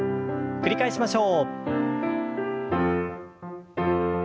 繰り返しましょう。